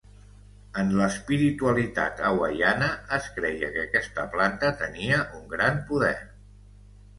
En l'espiritualitat hawaiana es creia que aquesta planta tenia un gran poder.